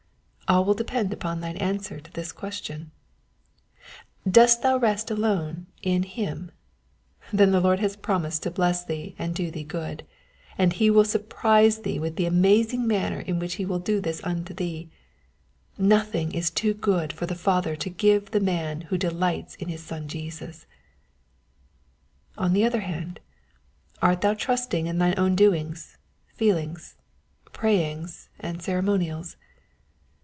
All will depend upon thine answer to this ques tion. Dost thou rest alone in Him? Then the Lord has promised to bless thee and do thee good ; and he will surprise thee with the amazing manner in which he will do this unto thee. Nothing is too Zood for the Father to give the man who delights in his Son Jesus, On the other hand, art thou trusting to thine own doings, feelings, prayings, and ceremonials?